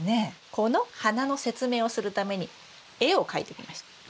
この花の説明をするために絵を描いてきました。